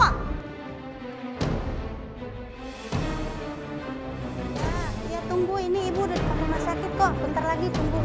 mak ya tunggu ini ibu udah ke rumah sakit kok bentar lagi tunggu ya